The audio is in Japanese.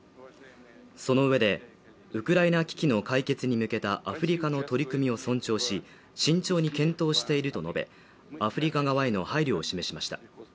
そのうえでウクライナ危機の解決に向けたアフリカの取り組みを尊重し慎重に検討していると述べアフリカ側への配慮を示しました